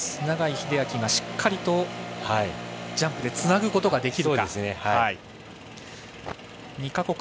永井秀昭がしっかりとジャンプでつなぐことができるか。